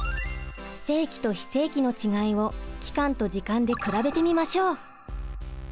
正規と非正規の違いを期間と時間で比べてみましょう。